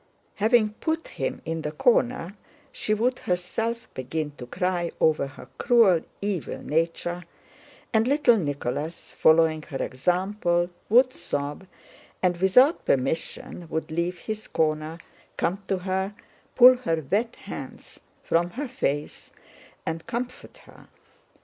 Having put him in the corner she would herself begin to cry over her cruel, evil nature, and little Nicholas, following her example, would sob, and without permission would leave his corner, come to her, pull her wet hands from her face, and comfort her.